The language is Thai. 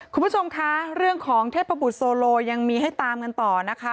คุณผู้ชมคะเรื่องของเทพบุตรโซโลยังมีให้ตามกันต่อนะคะ